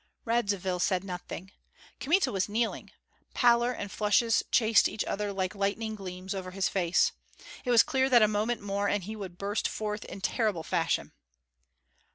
Radzivill said nothing. Kmita was kneeling; pallor and flushes chased each other like lightning gleams over his face. It was clear that a moment more and he would burst forth in terrible fashion.